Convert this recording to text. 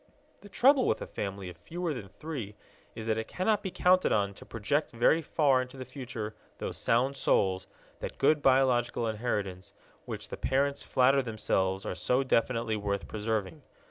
The trouble with a family of fewer than three is that it cannot be counted on to project very far into the future those sound souls, that good biological inheritance, which the parents flatter themselves are so definitely worth preserving.